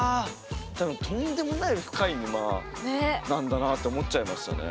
多分とんでもない深い沼なんだなって思っちゃいましたね。